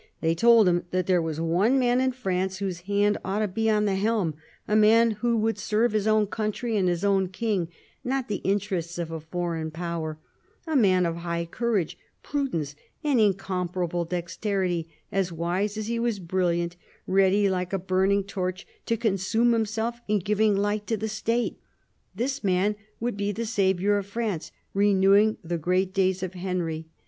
They told him that there was one man in France whose hand ought to be on the helm, a man who would serve his own country and his own King, not the interests of a foreign power ; a man of high courage, prudence and incomparable dexterity, as wise as he was brilliant, ready, like a burning torch, to consume himself in giving light to the State. This man would be the saviour of France, renewing the great days of Henry.